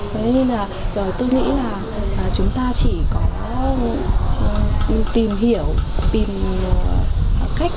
thế nên là tôi nghĩ là chúng ta chỉ có tìm hiểu tìm cách